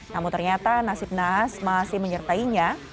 namun ternyata nasib nas masih menyertainya